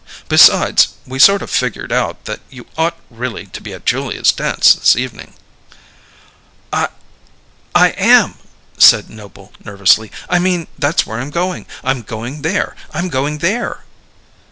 Besides, we sort of figured out that you ought really to be at Julia's dance this evening." "I am," said Noble nervously. "I mean that's where I'm going. I'm going there. I'm going there."